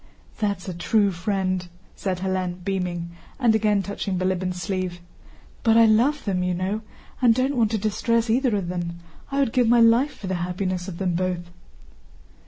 "That's a true friend!" said Hélène beaming, and again touching Bilíbin's sleeve. "But I love them, you know, and don't want to distress either of them. I would give my life for the happiness of them both."